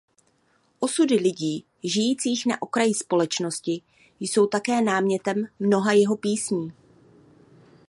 Osudy lidí žijících na okraji společnosti jsou také námětem mnoha jeho písní.